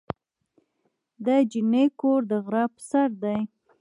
د جینۍ کور د غره په سر دی.